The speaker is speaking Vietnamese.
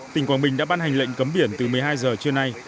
tỉnh quảng bình đã ban hành lệnh cấm biển từ một mươi hai giờ trưa nay